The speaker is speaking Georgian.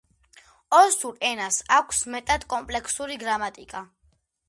ოსურ ენას აქვს მეტად კომპლექსური გრამატიკა.